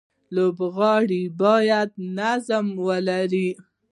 لوبغاړي باید نظم ولري.